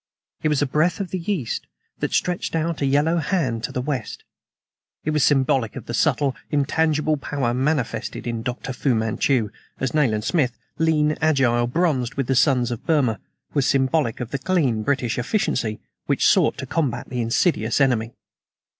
It was a breath of the East that stretched out a yellow hand to the West. It was symbolic of the subtle, intangible power manifested in Dr. Fu Manchu, as Nayland Smith lean, agile, bronzed with the suns of Burma, was symbolic of the clean British efficiency which sought to combat the insidious enemy.